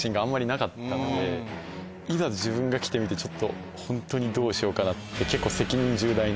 いざ自分が来てみてちょっとホントにどうしようかなって結構。